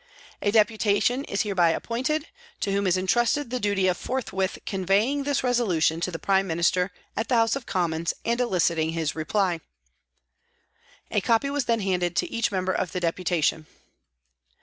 "A Deputation is hereby appointed, to whom is entrusted the duty of forthwith conveying this resolution to the Prime Minister at the House of Commons and eliciting his reply." A copy was then handed to each member of the Deputation.